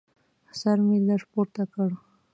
سر مې لږ پورته کړ.